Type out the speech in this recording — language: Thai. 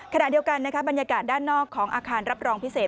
ขณะเดียวกันบรรยากาศด้านนอกของอาคารรับรองพิเศษ